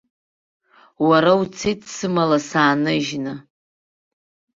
Уара уцеит, сымала сааныжьны.